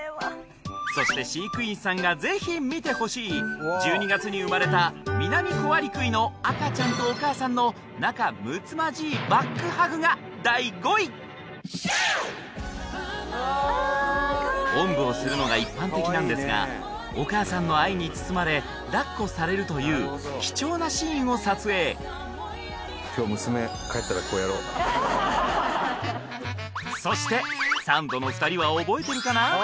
そして飼育員さんがぜひ見てほしい１２月に生まれたミナミコアリクイの赤ちゃんとお母さんの仲むつまじいバックハグが第５位おんぶをするのが一般的なんですがお母さんの愛に包まれ抱っこされるという貴重なシーンを撮影そしてサンドの２人は覚えてるかな？